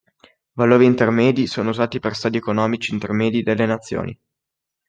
Valori intermedi sono usati per stadi economici intermedi delle nazioni.